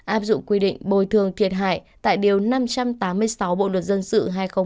áp dụng quy định bồi thường thiệt hại tại điều năm trăm tám mươi sáu bộ luật dân sự hai nghìn một mươi năm